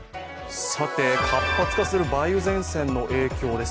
活発する梅雨前線の影響です。